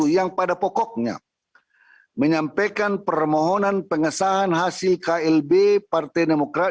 yang pada pokoknya menyampaikan permohonan pengesahan hasil klb partai demokrat